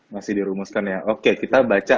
masih dirumuskan ya oke kita baca